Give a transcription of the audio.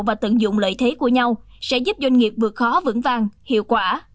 và tận dụng lợi thế của nhau sẽ giúp doanh nghiệp vượt khó vững vàng hiệu quả